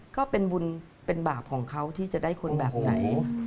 ก็เป็นบุญเป็นบาปของเขาที่จะได้คนแบบไหน